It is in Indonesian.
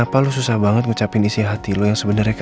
kamu ingat hari yang tanggal berapa